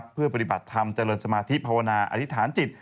เพื่อปฏิบัติธรรมเจริญสมาธิภาวนาอธิษฐานจิต